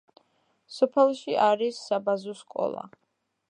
სოფელში არის საბაზო სკოლა.